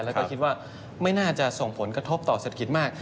แล้วก็คิดว่าไม่น่าจะส่งผลกระทบต่อเศรษฐกิจมาก